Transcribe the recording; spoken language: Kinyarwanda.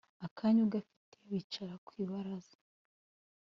akanya uragafite" bicara kwibaraza